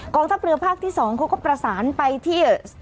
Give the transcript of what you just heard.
ทัพเรือภาคที่๒เขาก็ประสานไปที่